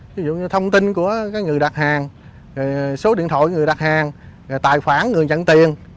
ví dụ như thông tin của người đặt hàng số điện thoại người đặt hàng tài khoản người nhận tiền